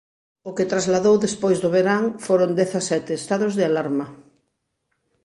O que trasladou despois do verán foron dezasete estados de alarma.